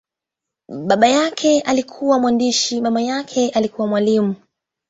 Baba yake alikuwa mwandishi, mama alikuwa mwalimu.